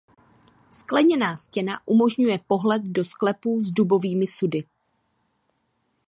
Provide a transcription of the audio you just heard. Skleněná stěna umožňuje pohled do sklepů s dubovými sudy.